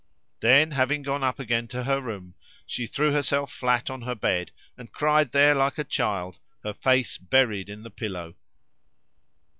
Then, having gone up again to her room, she threw herself flat on her bed and cried there like a child, her face buried in the pillow.